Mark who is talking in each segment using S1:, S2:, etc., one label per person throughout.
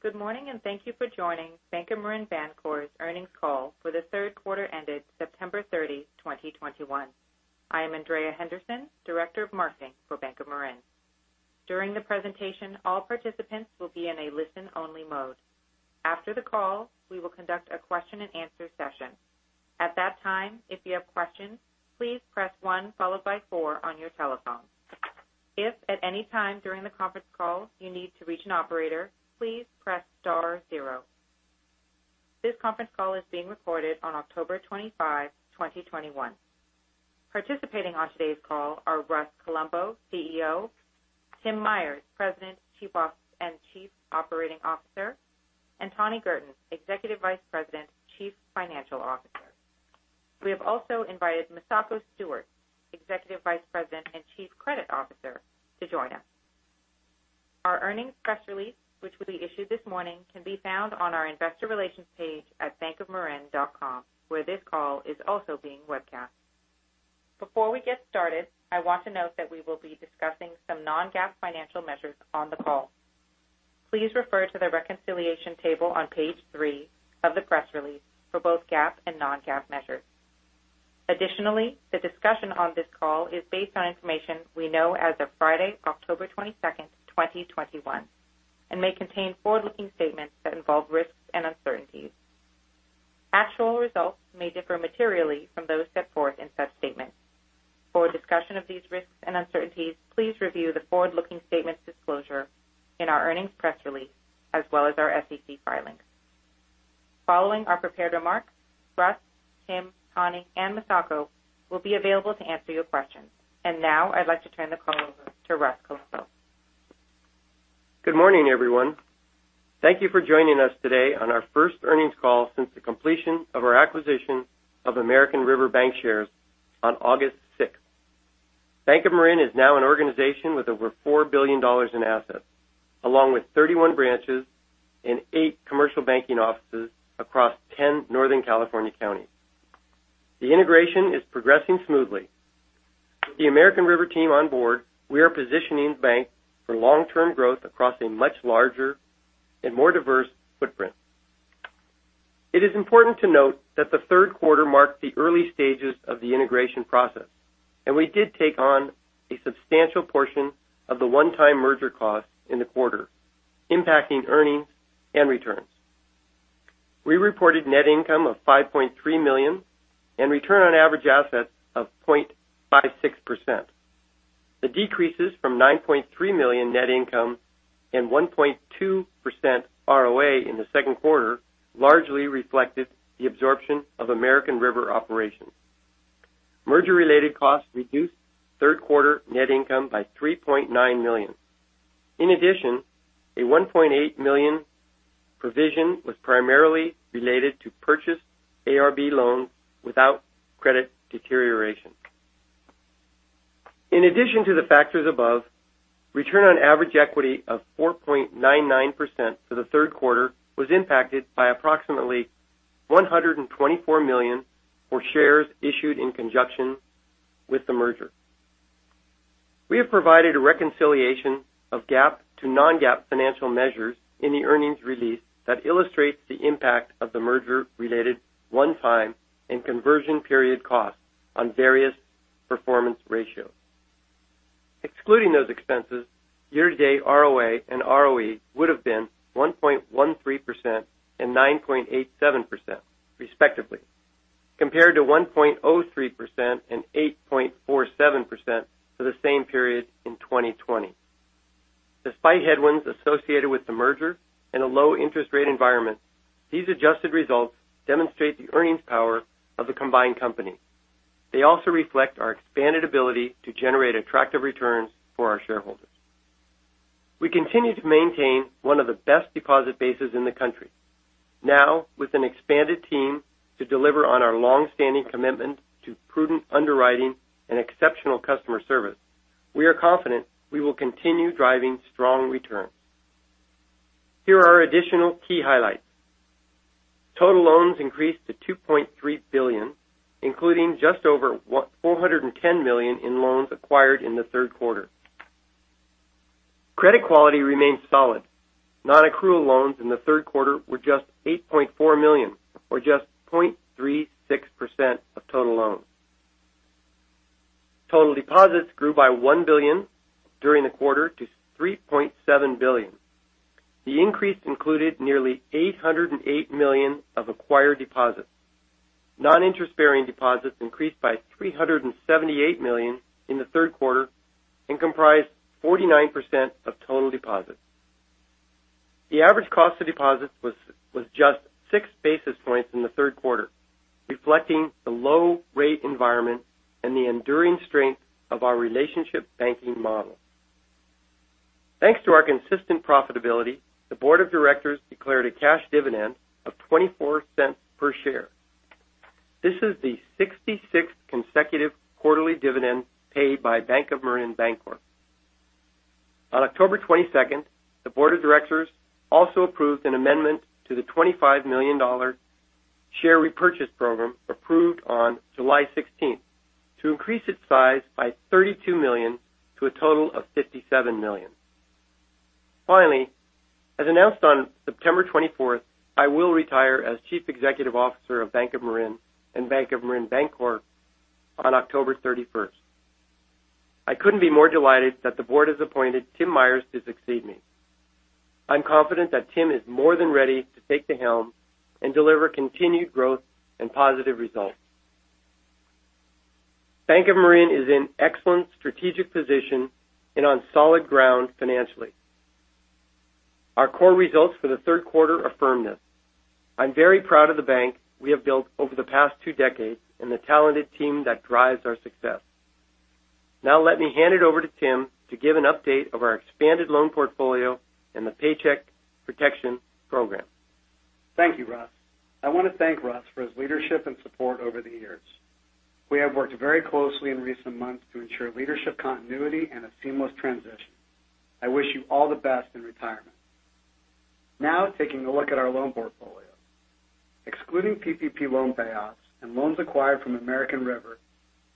S1: Good morning, and thank you for joining Bank of Marin Bancorp's earnings call for the third quarter ended September 30, 2021. I am Andrea Henderson, Director of Marketing for Bank of Marin. During the presentation, all participants will be in a listen-only mode. After the call, we will conduct a question and answer session. At that time, if you have questions, please press one followed by four on your telephone. If at any time during the conference call you need to reach an operator, please press star zero. This conference call is being recorded on October 25, 2021. Participating on today's call are Russ Colombo, CEO; Tim Myers, President and Chief Operating Officer; and Tani Girton, Executive Vice President, Chief Financial Officer. We have also invited Misako Stewart, Executive Vice President and Chief Credit Officer, to join us. Our earnings press release, which will be issued this morning, can be found on our investor relations page at bankofmarin.com, where this call is also being webcast. Before we get started, I want to note that we will be discussing some non-GAAP financial measures on the call. Please refer to the reconciliation table on page three of the press release for both GAAP and non-GAAP measures. Additionally, the discussion on this call is based on information we know as of Friday, October 22nd, 2021, and may contain forward-looking statements that involve risks and uncertainties. Actual results may differ materially from those set forth in such statements. For a discussion of these risks and uncertainties, please review the forward-looking statements disclosure in our earnings press release, as well as our SEC filings. Following our prepared remarks, Russ, Tim, Tani, and Misako will be available to answer your questions. Now I'd like to turn the call over to Russ Colombo.
S2: Good morning, everyone. Thank you for joining us today on our first earnings call since the completion of our acquisition of American River Bankshares on August 6th. Bank of Marin is now an organization with over $4 billion in assets, along with 31 branches and eight commercial banking offices across 10 Northern California counties. The integration is progressing smoothly. With the American River team on board, we are positioning the bank for long-term growth across a much larger and more diverse footprint. It is important to note that the third quarter marked the early stages of the integration process, and we did take on a substantial portion of the one-time merger costs in the quarter, impacting earnings and returns. We reported net income of $5.3 million and return on average assets of 0.56%. The decreases from $9.3 million net income and 1.2% ROA in the second quarter largely reflected the absorption of American River operations. Merger-related costs reduced third-quarter net income by $3.9 million. In addition, a $1.8 million provision was primarily related to purchased ARB loans without credit deterioration. In addition to the factors above, return on average equity of 4.99% for the third quarter was impacted by approximately 124 million more shares issued in conjunction with the merger. We have provided a reconciliation of GAAP to non-GAAP financial measures in the earnings release that illustrates the impact of the merger-related one-time and conversion period costs on various performance ratios. Excluding those expenses, year-to-date ROA and ROE would have been 1.13% and 9.87%, respectively, compared to 1.03% and 8.47% for the same period in 2020. Despite headwinds associated with the merger and a low interest rate environment, these adjusted results demonstrate the earnings power of the combined company. They also reflect our expanded ability to generate attractive returns for our shareholders. We continue to maintain one of the best deposit bases in the country. Now, with an expanded team to deliver on our long-standing commitment to prudent underwriting and exceptional customer service, we are confident we will continue driving strong returns. Here are our additional key highlights. Total loans increased to $2.3 billion, including just over $410 million in loans acquired in the third quarter. Credit quality remains solid. Non-accrual loans in the third quarter were just $8.4 million, or just 0.36% of total loans. Total deposits grew by $1 billion during the quarter to $3.7 billion. The increase included nearly $808 million of acquired deposits. Non-interest-bearing deposits increased by $378 million in the third quarter and comprised 49% of total deposits. The average cost of deposits was just 6 basis points in the third quarter, reflecting the low rate environment and the enduring strength of our relationship banking model. Thanks to our consistent profitability, the board of directors declared a cash dividend of $0.24 per share. This is the 66th consecutive quarterly dividend paid by Bank of Marin Bancorp. On October 22nd, the board of directors also approved an amendment to the $25 million Share repurchase program approved on July 16th to increase its size by $32 million to a total of $57 million. Finally, as announced on September 24th, I will retire as Chief Executive Officer of Bank of Marin and Bank of Marin Bancorp on October 31st. I couldn't be more delighted that the board has appointed Tim Myers to succeed me. I'm confident that Tim is more than ready to take the helm and deliver continued growth and positive results. Bank of Marin is in excellent strategic position and on solid ground financially. Our core results for the third quarter are firm. I'm very proud of the bank we have built over the past two decades and the talented team that drives our success. Let me hand it over to Tim to give an update of our expanded loan portfolio and the Paycheck Protection Program.
S3: Thank you, Russ. I want to thank Russ for his leadership and support over the years. We have worked very closely in recent months to ensure leadership continuity and a seamless transition. I wish you all the best in retirement. Taking a look at our loan portfolio. Excluding PPP loan payoffs and loans acquired from American River,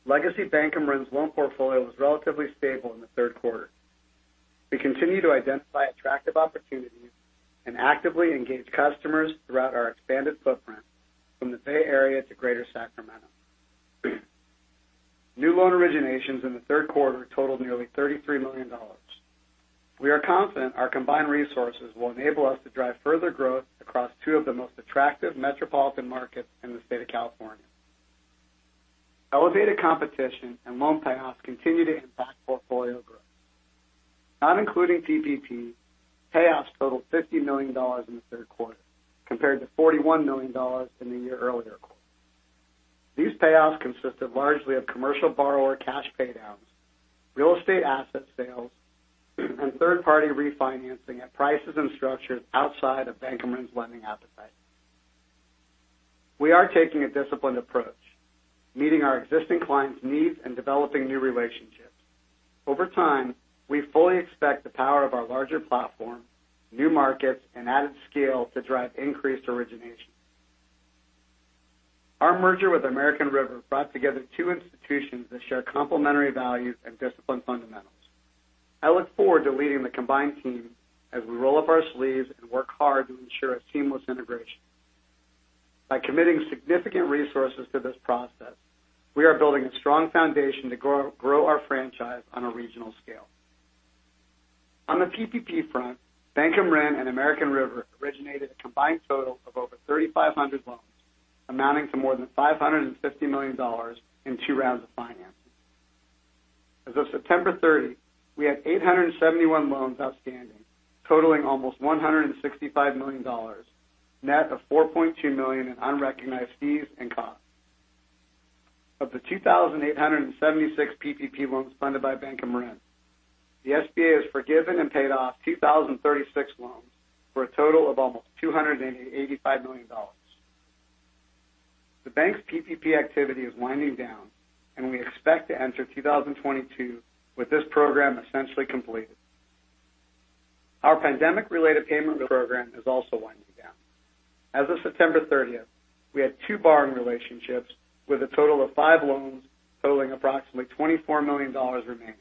S3: legacy Bank of Marin's loan portfolio was relatively stable in the third quarter. We continue to identify attractive opportunities and actively engage customers throughout our expanded footprint from the Bay Area to Greater Sacramento. New loan originations in the third quarter totaled nearly $33 million. We are confident our combined resources will enable us to drive further growth across two of the most attractive metropolitan markets in the state of California. Elevated competition and loan payoffs continue to impact portfolio growth. Not including PPP, payoffs totaled $50 million in the third quarter, compared to $41 million in the year earlier quarter. These payoffs consisted largely of commercial borrower cash paydowns, real estate asset sales, and third-party refinancing at prices and structures outside of Bank of Marin's lending appetite. We are taking a disciplined approach, meeting our existing clients' needs and developing new relationships. Over time, we fully expect the power of our larger platform, new markets, and added scale to drive increased originations. Our merger with American River brought together two institutions that share complementary values and disciplined fundamentals. I look forward to leading the combined team as we roll up our sleeves and work hard to ensure a seamless integration. By committing significant resources to this process, we are building a strong foundation to grow our franchise on a regional scale. On the PPP front, Bank of Marin and American River originated a combined total of over 3,500 loans, amounting to more than $550 million in two rounds of financing. As of September 30, we had 871 loans outstanding, totaling almost $165 million, net of $4.2 million in unrecognized fees and costs. Of the 2,876 PPP loans funded by Bank of Marin, the SBA has forgiven and paid off 2,036 loans for a total of almost $285 million. The bank's PPP activity is winding down, and we expect to enter 2022 with this program essentially completed. Our pandemic-related payment program is also winding down. As of September 30th, we had two borrowing relationships with a total of five loans totaling approximately $24 million remaining.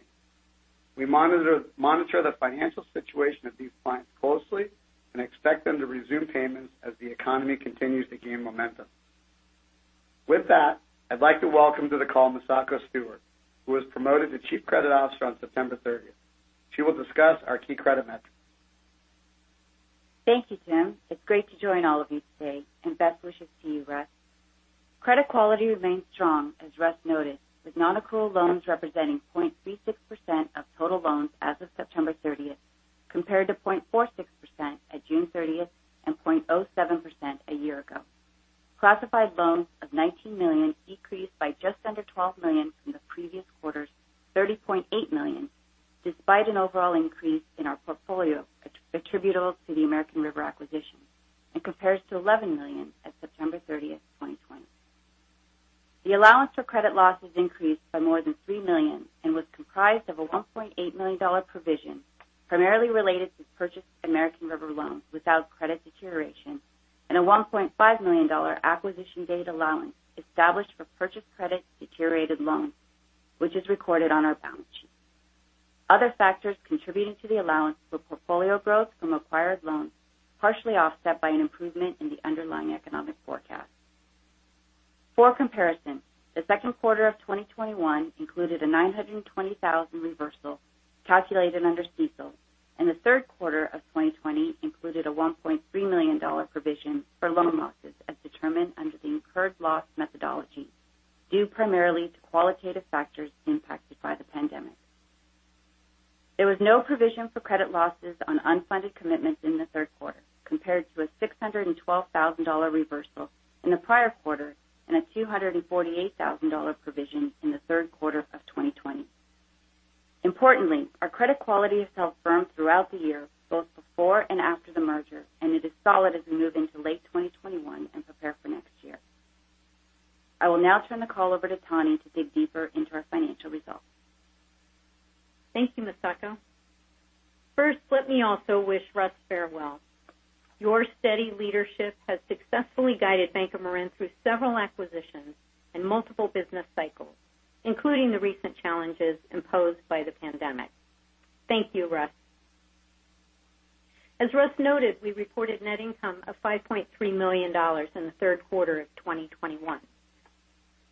S3: We monitor the financial situation of these clients closely and expect them to resume payments as the economy continues to gain momentum. With that, I'd like to welcome to the call Misako Stewart, who was promoted to Chief Credit Officer on September 30th. She will discuss our key credit metrics.
S4: Thank you, Tim. It's great to join all of you today, and best wishes to you, Russ. Credit quality remains strong, as Russ noted, with non-accrual loans representing 0.36% of total loans as of September 30th, compared to 0.46% at June 30th and 0.07% a year ago. Classified loans of $19 million decreased by just under $12 million from the previous quarter's $30.8 million, despite an overall increase in our portfolio attributable to the American River acquisition and compares to $11 million at September 30th, 2020. The allowance for credit losses increased by more than $3 million and was comprised of a $1.8 million provision, primarily related to purchased American River loans without credit deterioration, and a $1.5 million acquisition date allowance established for purchased credit deteriorated loans, which is recorded on our balance sheet. Other factors contributing to the allowance were portfolio growth from acquired loans, partially offset by an improvement in the underlying economic forecast. For comparison, the second quarter of 2021 included a $920,000 reversal calculated under CECL, and the third quarter of 2020 included a $1.3 million provision for loan losses as determined under the incurred loss methodology, due primarily to qualitative factors impacted by the pandemic. There was no provision for credit losses on unfunded commitments in the third quarter, compared to a $612,000 reversal in the prior quarter and a $248,000 provision in the third quarter of 2020. Importantly, our credit quality has held firm throughout the year, both before and after the merger, and it is solid as we move into late 2021 and prepare for next year. I will now turn the call over to Tani to dig deeper into our financial results.
S5: Thank you, Misako. First, let me also wish Russ farewell. Your steady leadership has successfully guided Bank of Marin through several acquisitions and multiple business cycles, including the recent challenges imposed by the pandemic. Thank you, Russ. As Russ noted, we reported net income of $5.3 million in the third quarter of 2021.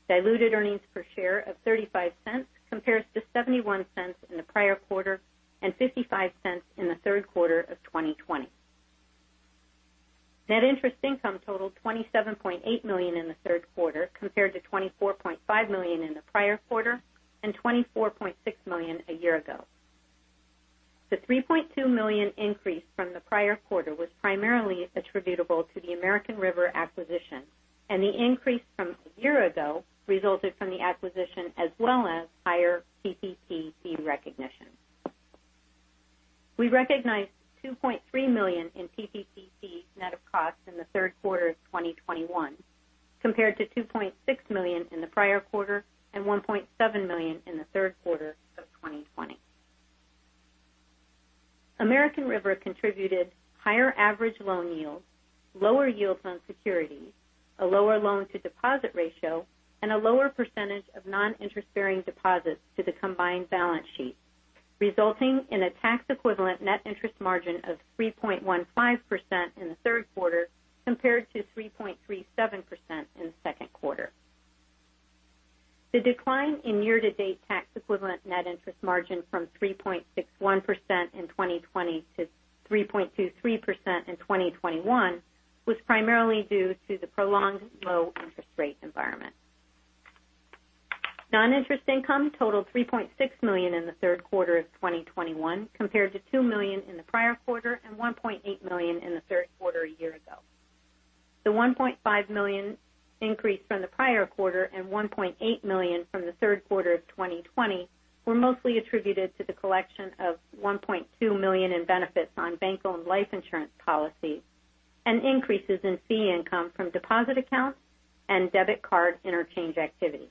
S5: Diluted earnings per share of $0.35 compares to $0.71 in the prior quarter and $0.55 in the third quarter of 2020. Net interest income totaled $27.8 million in the third quarter, compared to $24.5 million in the prior quarter and $24.6 million a year ago. The $3.2 million increase from the prior quarter was primarily attributable to the American River acquisition, and the increase from a year ago resulted from the acquisition, as well as higher PPP fee recognition. We recognized $2.3 million in PPP fee net of cost in the third quarter of 2021 compared to $2.6 million in the prior quarter and $1.7 million in the third quarter of 2020. American River Bank contributed higher average loan yields, lower yields on securities, a lower loan-to-deposit ratio, and a lower percentage of non-interest-bearing deposits to the combined balance sheet, resulting in a tax-equivalent net interest margin of 3.15% in the third quarter compared to 3.37% in the second quarter. The decline in year-to-date tax-equivalent net interest margin from 3.61% in 2020 to 3.23% in 2021 was primarily due to the prolonged low interest rate environment. Non-interest income totaled $3.6 million in the third quarter of 2021 compared to $2 million in the prior quarter and $1.8 million in the third quarter a year ago. The $1.5 million increase from the prior quarter and $1.8 million from the third quarter of 2020 were mostly attributed to the collection of $1.2 million in benefits on bank-owned life insurance policies and increases in fee income from deposit accounts and debit card interchange activity.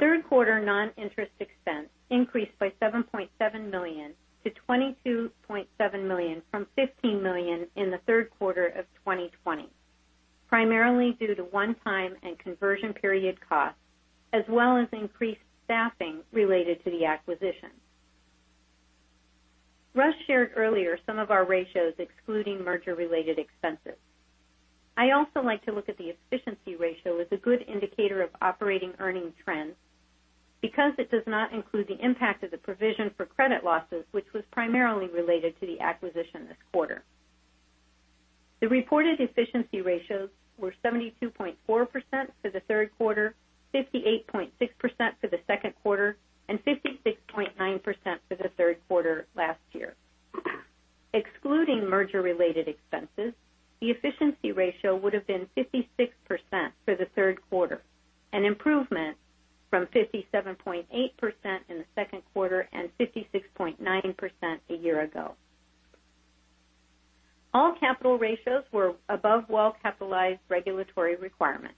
S5: Third quarter non-interest expense increased by $7.7 million to $22.7 million from $15 million in the third quarter of 2020, primarily due to one-time and conversion period costs, as well as increased staffing related to the acquisition. Russ shared earlier some of our ratios excluding merger-related expenses. I also like to look at the efficiency ratio as a good indicator of operating earning trends because it does not include the impact of the provision for credit losses, which was primarily related to the acquisition this quarter. The reported efficiency ratios were 72.4% for the third quarter, 58.6% for the second quarter, and 56.9% for the third quarter last year. Excluding merger-related expenses, the efficiency ratio would've been 56% for the third quarter, an improvement from 57.8% in the second quarter and 56.9% a year ago. All capital ratios were above well-capitalized regulatory requirements.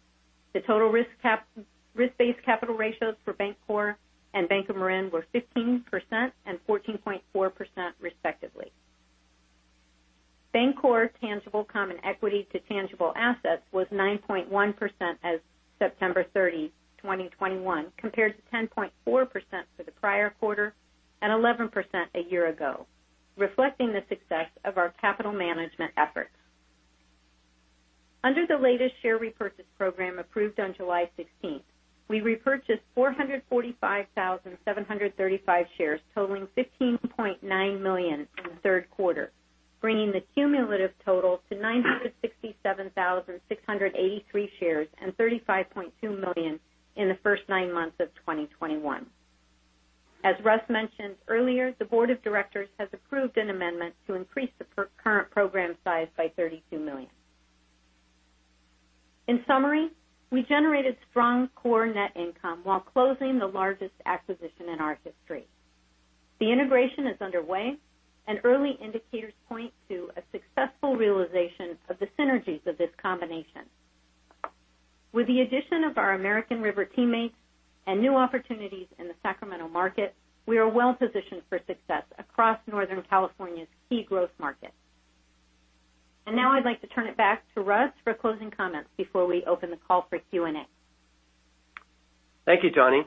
S5: The total risk-based capital ratios for Bancorp and Bank of Marin were 15% and 14.4% respectively. Bancorp tangible common equity to tangible assets was 9.1% as September 30, 2021, compared to 10.4% for the prior quarter and 11% a year ago, reflecting the success of our capital management efforts. Under the latest share repurchase program approved on July 16th, we repurchased 445,735 shares totaling $15.9 million in the third quarter, bringing the cumulative total to 967,683 shares and $35.2 million in the first nine months of 2021. As Russ mentioned earlier, the board of directors has approved an amendment to increase the current program size by $32 million. In summary, we generated strong core net income while closing the largest acquisition in our history. The integration is underway and early indicators point to a successful realization of the synergies of this combination. With the addition of our American River teammates and new opportunities in the Sacramento market, we are well positioned for success across Northern California's key growth markets. Now I'd like to turn it back to Russ for closing comments before we open the call for Q&A.
S2: Thank you, Tani.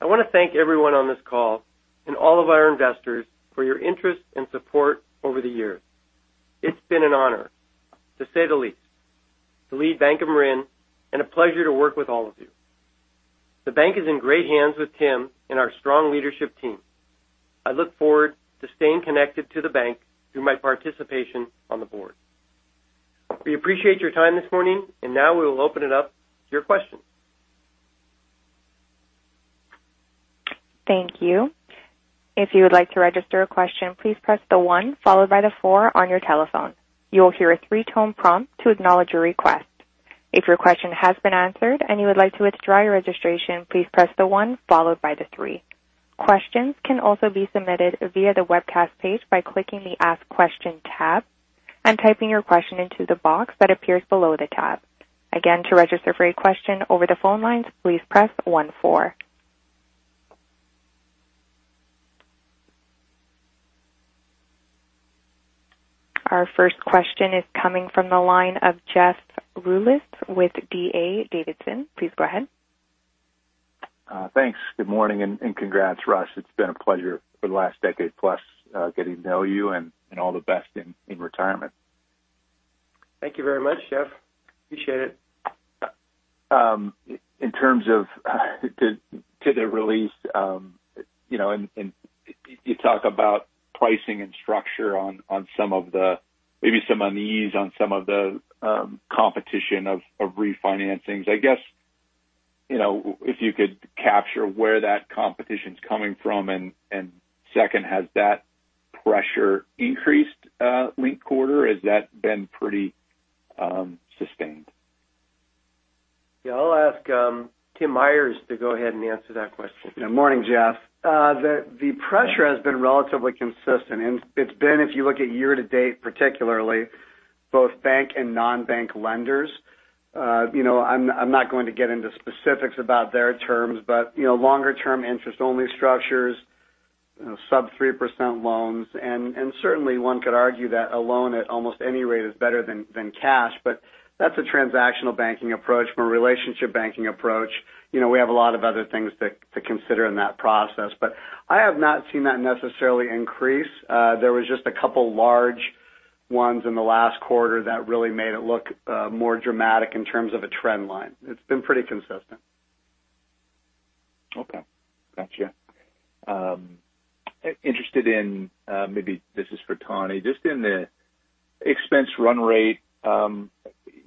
S2: I want to thank everyone on this call and all of our investors for your interest and support over the years. It's been an honor, to say the least, to lead Bank of Marin, and a pleasure to work with all of you. The bank is in great hands with Tim and our strong leadership team. I look forward to staying connected to the bank through my participation on the board. We appreciate your time this morning, and now we will open it up to your questions.
S6: Thank you. If you would like to register a question, please press the one followed by the four on your telephone. You will hear a three-tone prompt to acknowledge your request. If your question has been answered and you would like to withdraw your registration, please press the one followed by the three. Questions can also be submitted via the webcast page by clicking the Ask Question tab and typing your question into the box that appears below the tab. Again, to register for a question over the phone line, please press one four. Our first question is coming from the line of Jeff Rulis with D.A. Davidson. Please go ahead.
S7: Thanks. Good morning. Congrats, Russ. It's been a pleasure for the last decade-plus getting to know you, and all the best in retirement.
S2: Thank you very much, Jeff. Appreciate it.
S7: In terms of to the release, you talk about pricing and structure on maybe some unease on some of the competition of refinancings. I guess, if you could capture where that competition's coming from. Second, has that pressure increased linked quarter? Has that been pretty sustained?
S2: Yeah, I'll ask Tim Myers to go ahead and answer that question.
S3: Good morning, Jeff. The pressure has been relatively consistent. It's been, if you look at year to date, particularly, both bank and non-bank lenders. I'm not going to get into specifics about their terms. Longer-term interest-only structures, sub 3% loans, certainly one could argue that a loan at almost any rate is better than cash. That's a transactional banking approach. From a relationship banking approach, we have a lot of other things to consider in that process. I have not seen that necessarily increase. There was just a couple large ones in the last quarter that really made it look more dramatic in terms of a trend line. It's been pretty consistent.
S7: Okay. Got you. Interested in, maybe this is for Tani, just in the expense run rate.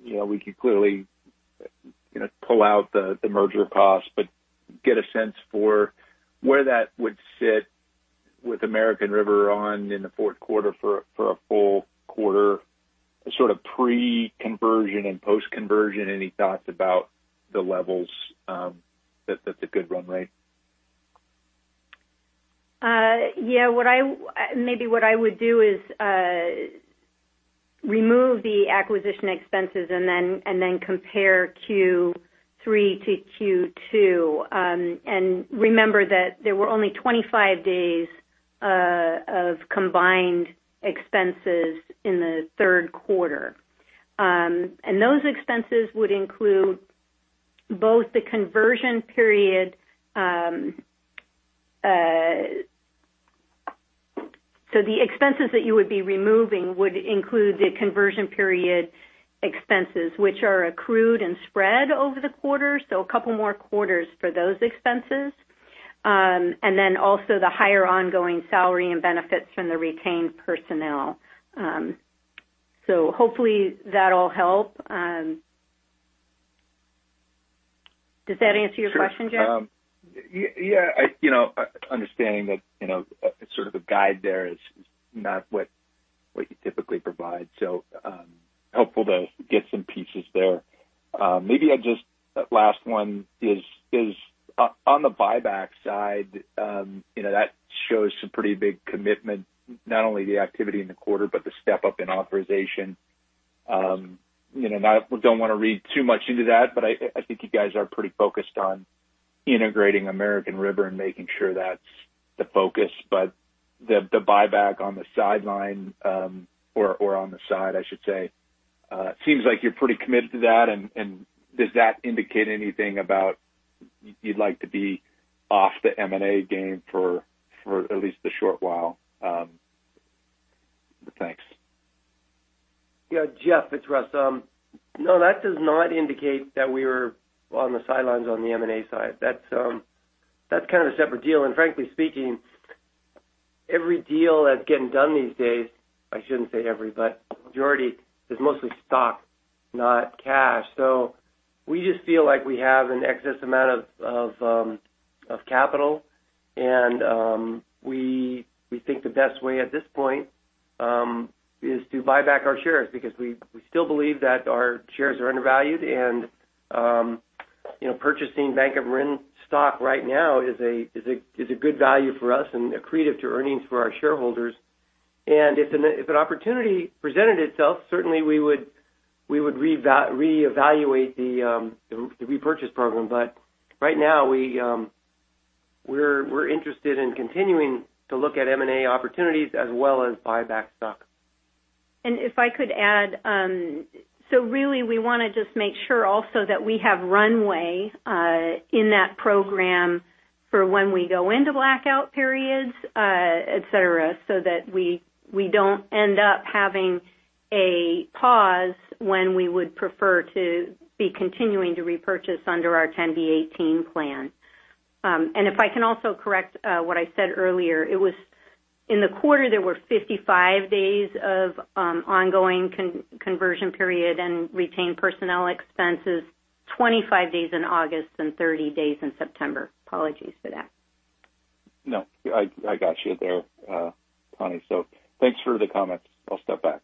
S7: We could clearly pull out the merger cost, but get a sense for where that would sit with American River on in the fourth quarter for a full quarter, sort of pre-conversion and post-conversion. Any thoughts about the levels that's a good run rate?
S5: Yeah. Maybe what I would do is remove the acquisition expenses and then compare Q3 to Q2. Remember that there were only 25 days of combined expenses in the third quarter. Those expenses would include both the conversion period. The expenses that you would be removing would include the conversion period expenses, which are accrued and spread over the quarter. Couple more quarters for those expenses. Then also the higher ongoing salary and benefits from the retained personnel. Hopefully that'll help. Does that answer your question, Jeff?
S7: Sure. Yeah. Understanding that sort of a guide there is not what you typically provide. Helpful to get some pieces there. Maybe just last one is on the buyback side. That shows some pretty big commitment, not only the activity in the quarter but the step-up in authorization. I don't want to read too much into that, but I think you guys are pretty focused on integrating American River and making sure that's the focus. The buyback on the sideline or on the side, I should say, seems like you're pretty committed to that. Does that indicate anything about you'd like to be off the M&A game for at least a short while? Thanks.
S2: Yeah. Jeff, it's Russ. No, that does not indicate that we were on the sidelines on the M&A side. That's kind of a separate deal. Frankly speaking, every deal that's getting done these days, I shouldn't say every, but majority is mostly stock, not cash. We just feel like we have an excess amount of capital, and we think the best way at this point is to buy back our shares because we still believe that our shares are undervalued. Purchasing Bank of Marin stock right now is a good value for us and accretive to earnings for our shareholders. If an opportunity presented itself, certainly we would reevaluate the repurchase program. Right now, we're interested in continuing to look at M&A opportunities as well as buyback stock.
S5: If I could add. Really, we want to just make sure also that we have runway in that program for when we go into blackout periods, et cetera, so that we don't end up having a pause when we would prefer to be continuing to repurchase under our 10b-18 plan. If I can also correct what I said earlier. In the quarter, there were 55 days of ongoing conversion period and retained personnel expenses, 25 days in August and 30 days in September. Apologies for that.
S7: No, I got you there, Tani. Thanks for the comments. I'll step back.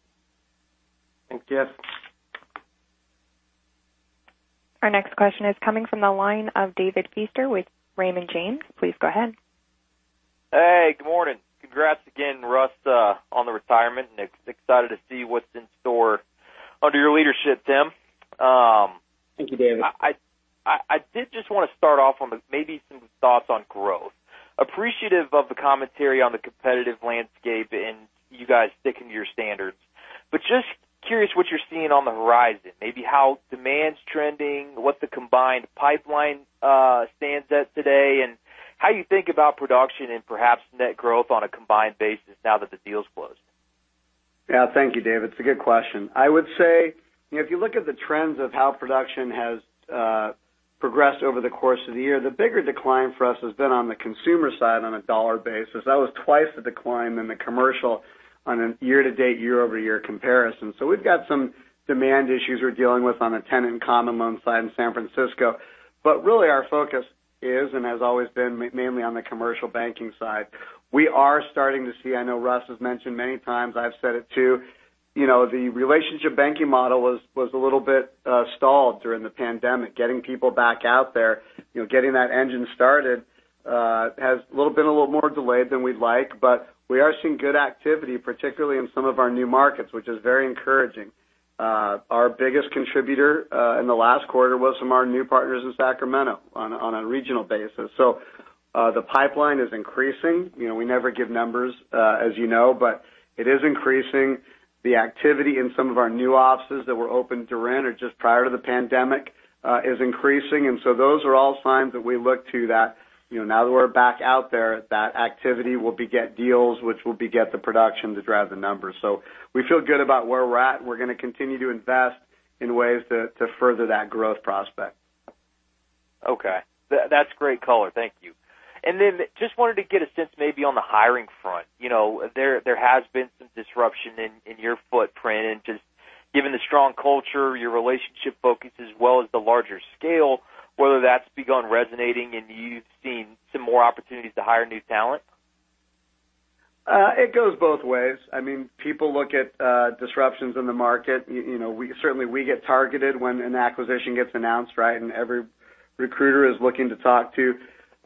S2: Thanks, Jeff.
S6: Our next question is coming from the line of David Feaster with Raymond James. Please go ahead.
S8: Hey, good morning. Congrats again, Russ, on the retirement, and excited to see what's in store under your leadership, Tim.
S3: Thank you, David.
S8: I did just want to start off on maybe some thoughts on growth. Appreciative of the commentary on the competitive landscape and you guys sticking to your standards, just curious what you're seeing on the horizon, maybe how demand's trending, what the combined pipeline stands at today, and how you think about production and perhaps net growth on a combined basis now that the deal's closed?
S3: Yeah. Thank you, David. It's a good question. I would say, if you look at the trends of how production has progressed over the course of the year, the bigger decline for us has been on the consumer side on a dollar basis. That was twice the decline in the commercial on a year-to-date, year-over-year comparison. We've got some demand issues we're dealing with on a Tenancy in Common loan side in San Francisco. Really our focus is and has always been mainly on the commercial banking side. We are starting to see, I know Russ has mentioned many times, I've said it too, the relationship banking model was a little bit stalled during the pandemic. Getting people back out there, getting that engine started, has been a little more delayed than we'd like. We are seeing good activity, particularly in some of our new markets, which is very encouraging. Our biggest contributor in the last quarter was from our new partners in Sacramento on a regional basis. The pipeline is increasing. We never give numbers, as you know, but it is increasing. The activity in some of our new offices that were open during or just prior to the pandemic is increasing. Those are all signs that we look to that now that we're back out there, that activity will beget deals, which will beget the production to drive the numbers. We feel good about where we're at, and we're going to continue to invest in ways to further that growth prospect.
S8: Okay. That's great color. Thank you. Then just wanted to get a sense maybe on the hiring front. There has been some disruption in your footprint and just given the strong culture, your relationship focus as well as the larger scale, whether that's begun resonating and you've seen some more opportunities to hire new talent?
S3: It goes both ways. People look at disruptions in the market. Certainly, we get targeted when an acquisition gets announced, right? Every recruiter is looking to talk to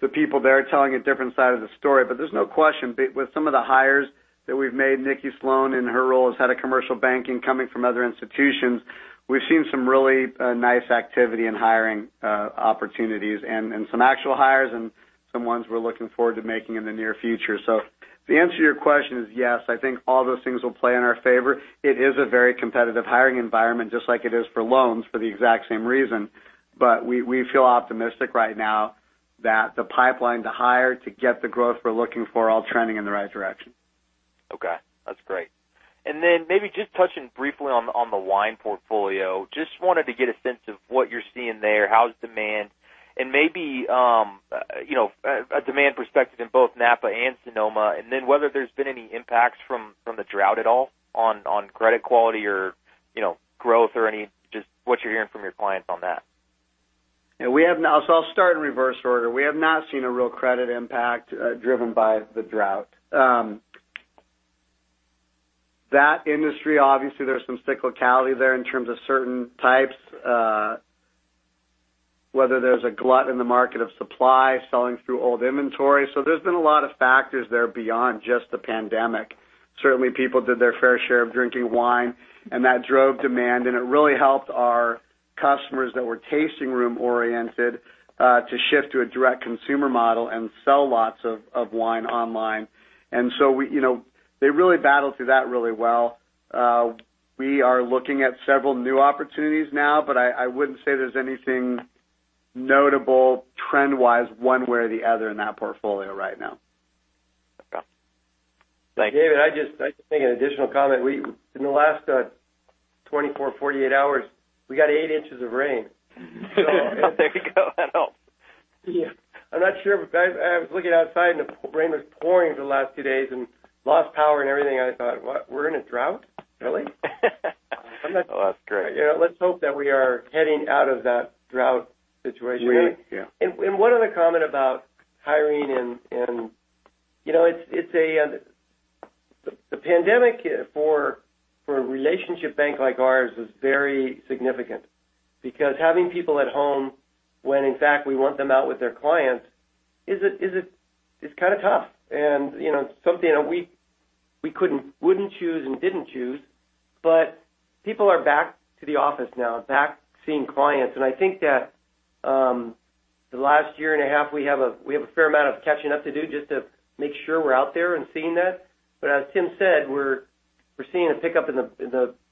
S3: the people there telling a different side of the story. There's no question, with some of the hires that we've made, Nikki Sloan in her role as Head of Commercial Banking coming from other institutions, we've seen some really nice activity in hiring opportunities and some actual hires and some ones we're looking forward to making in the near future. The answer to your question is yes, I think all those things will play in our favor. It is a very competitive hiring environment, just like it is for loans for the exact same reason. We feel optimistic right now that the pipeline to hire, to get the growth we're looking for, all trending in the right direction.
S8: Okay, that's great. Maybe just touching briefly on the wine portfolio, just wanted to get a sense of what you're seeing there, how's demand, and maybe a demand perspective in both Napa and Sonoma, and then whether there's been any impacts from the drought at all on credit quality or growth or just what you're hearing from your clients on that?
S3: I'll start in reverse order. We have not seen a real credit impact driven by the drought. That industry, obviously, there's some cyclicality there in terms of certain types, whether there's a glut in the market of supply, selling through old inventory. There's been a lot of factors there beyond just the pandemic. Certainly, people did their fair share of drinking wine, and that drove demand, and it really helped our customers that were tasting room oriented to shift to a direct consumer model and sell lots of wine online. They really battled through that really well. We are looking at several new opportunities now, but I wouldn't say there's anything notable trend-wise one way or the other in that portfolio right now.
S8: Got it. Thank you.
S2: David, I'd just make an additional comment. In the last 24, 48 hours, we got eight inches of rain.
S8: There you go. That helps.
S2: Yeah. I'm not sure. I was looking outside, and the rain was pouring for the last two days and lost power and everything. I thought, "What? We're in a drought? Really?
S8: Oh, that's great.
S2: Let's hope that we are heading out of that drought situation.
S3: Yeah.
S2: One other comment about hiring. The pandemic for a relationship bank like ours was very significant because having people at home when in fact we want them out with their clients, it is kind of tough, and it is something we wouldn't choose and didn't choose. People are back to the office now, back seeing clients. I think that the last year and a half, we have a fair amount of catching up to do just to make sure we are out there and seeing that. As Tim said, we are seeing a pickup in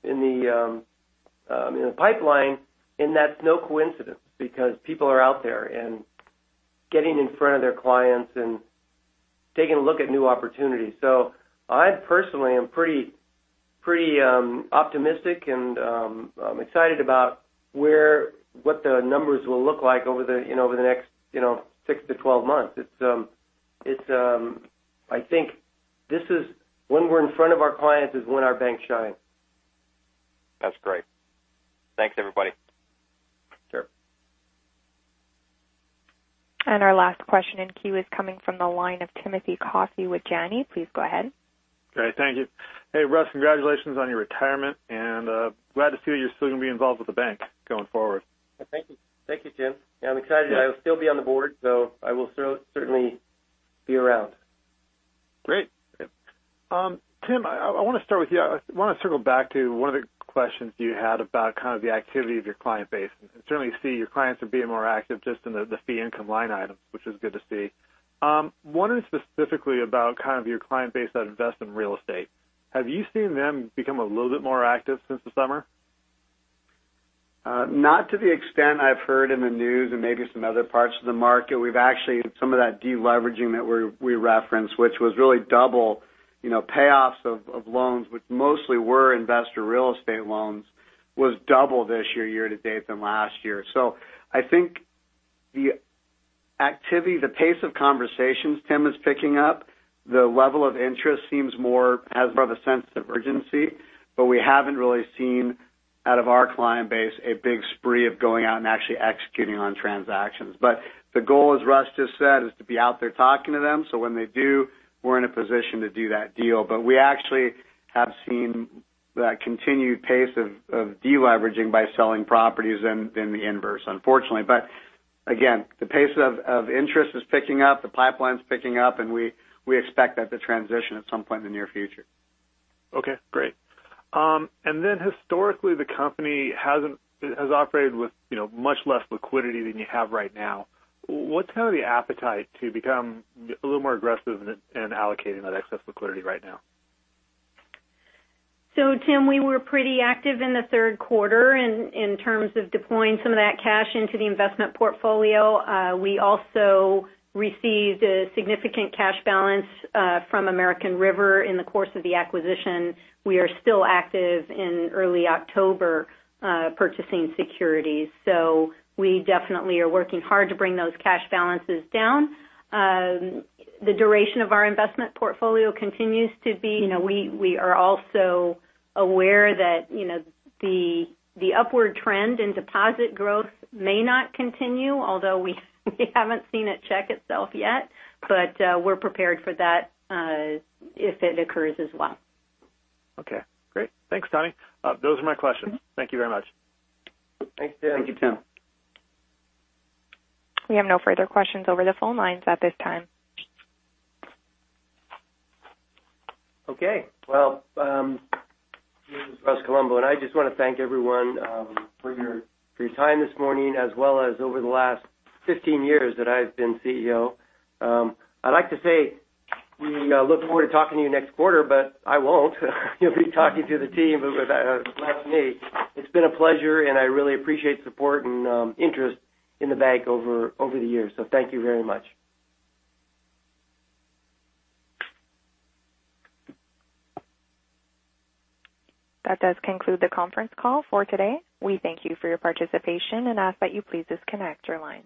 S2: the pipeline, and that is no coincidence because people are out there and getting in front of their clients and taking a look at new opportunities. I personally am pretty optimistic and I am excited about what the numbers will look like over the next six to 12 months. I think when we're in front of our clients is when our Bank of Marin shines.
S8: That's great. Thanks, everybody.
S2: Sure.
S6: Our last question in queue is coming from the line of Timothy Coffey with Janney. Please go ahead.
S9: Great. Thank you. Hey, Russ, congratulations on your retirement, and glad to see you're still going to be involved with the Bank of Marin going forward.
S2: Thank you, Tim. I'm excited. I will still be on the board, so I will certainly be around.
S9: Great. Tim, I want to start with you. I want to circle back to one of the questions you had about kind of the activity of your client base. Certainly see your clients are being more active just in the fee income line item, which is good to see. Wondering specifically about kind of your client base that invests in real estate. Have you seen them become a little bit more active since the summer?
S3: Not to the extent I've heard in the news and maybe some other parts of the market. We've actually had some of that de-leveraging that we referenced, which was really double payoffs of loans, which mostly were investor real estate loans, was double this year to date than last year. I think the activity, the pace of conversations, Tim, is picking up. The level of interest seems more, has more of a sense of urgency. We haven't really seen, out of our client base, a big spree of going out and actually executing on transactions. The goal, as Russ just said, is to be out there talking to them, so when they do, we're in a position to do that deal. We actually have seen that continued pace of de-leveraging by selling properties than the inverse, unfortunately. Again, the pace of interest is picking up, the pipeline's picking up, and we expect that to transition at some point in the near future.
S9: Okay, great. Historically, the company has operated with much less liquidity than you have right now. What's kind of the appetite to become a little more aggressive in allocating that excess liquidity right now?
S5: Tim, we were pretty active in the third quarter in terms of deploying some of that cash into the investment portfolio. We also received a significant cash balance from American River in the course of the acquisition. We are still active in early October purchasing securities. We definitely are working hard to bring those cash balances down. The duration of our investment portfolio continues to be We are also aware that the upward trend in deposit growth may not continue, although we haven't seen it check itself yet. We're prepared for that if it occurs as well.
S9: Okay, great. Thanks, Tani. Those are my questions. Thank you very much.
S3: Thanks, Tim.
S2: Thank you, Tim.
S6: We have no further questions over the phone lines at this time.
S2: Okay. Well, this is Russ Colombo, and I just want to thank everyone for your time this morning as well as over the last 15 years that I've been CEO. I'd like to say we look forward to talking to you next quarter, but I won't. You'll be talking to the team, but without me. It's been a pleasure, and I really appreciate the support and interest in the bank over the years. Thank you very much.
S6: That does conclude the conference call for today. We thank you for your participation and ask that you please disconnect your line.